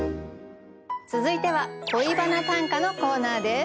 続いては「恋バナ短歌」のコーナーです。